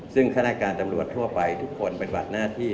ซึ่งขณะการตำรวจทั่วไปทุกคนเป็นหวัดหน้าที่